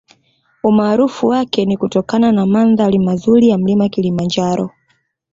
Umaarufu wake ni kutokana na mandhari mazuri ya mlima Kilimanjaro